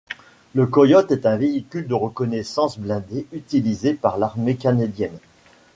Le Coyote est un véhicule de reconnaissance blindé utilisé par l'Armée canadienne.